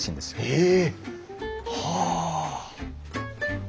ええ！はあ！